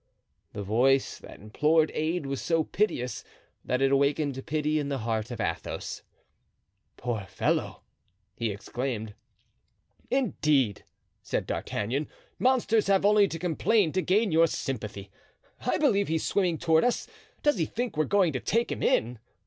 The voice that implored aid was so piteous that it awakened pity in the heart of Athos. "Poor fellow!" he exclaimed. "Indeed!" said D'Artagnan, "monsters have only to complain to gain your sympathy. I believe he's swimming toward us. Does he think we are going to take him in?